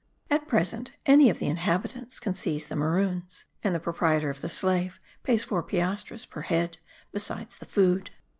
At present any of the inhabitants can seize the maroons and the proprietor of the slave pays four piastres per head, besides the food.